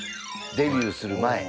デビューする前。